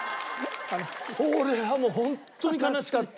俺はもう本当に悲しかった。